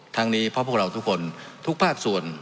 นี้เพราะพวกเราทุกคนทุกภาคส่วน